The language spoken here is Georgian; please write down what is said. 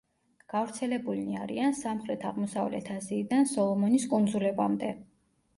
გავრცელებულნი არიან სამხრეთ-აღმოსავლეთ აზიიდან სოლომონის კუნძულებამდე.